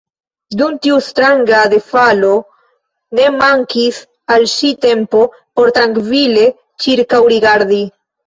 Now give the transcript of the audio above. Dum tiu stranga defalo, ne mankis al ŝi tempo por trankvile ĉirkaŭrigardi.